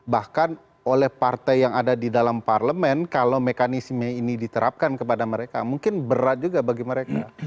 bahkan oleh partai yang ada di dalam parlemen kalau mekanisme ini diterapkan kepada mereka mungkin berat juga bagi mereka